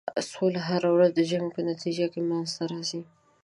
سوله هر وخت د جنګ په نتیجه کې منځته راځي.